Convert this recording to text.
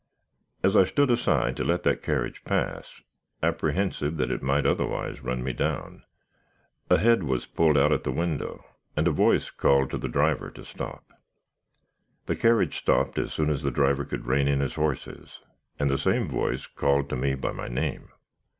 As I stood aside to let that carriage pass, apprehensive that it might otherwise run me down, a head was put out at the window, and a voice called to the driver to stop. "The carriage stopped as soon as the driver could rein in his horses, and the same voice called to me by my name.